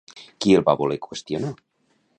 Qui el va voler qüestionar?